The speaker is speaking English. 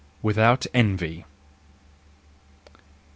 Without Envy .